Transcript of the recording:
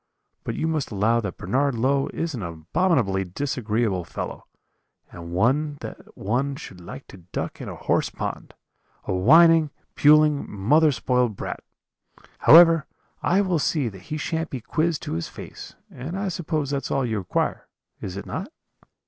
but you must allow that Bernard Low is an abominably disagreeable fellow, and one that one should like to duck in a horse pond a whining, puling, mother spoiled brat; however, I will see that he shan't be quizzed to his face, and I suppose that's all you require, is not it?'